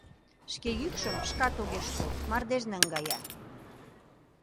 Шке йӱкшым шкат огеш кол — мардеж наҥгая.